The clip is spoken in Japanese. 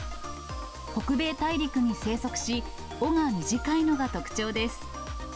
北米大陸に生息し、尾が短いのが特徴です。